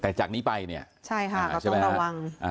แต่จากนี้ไปเนี้ยใช่ค่ะก็ต้องระวังอ่า